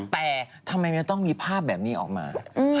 แต่ทำไมมันต้องมีภาพแบบนี้ออกมา